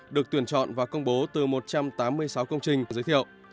được tuyển chọn và công bố từ một trăm tám mươi sáu công trình giới thiệu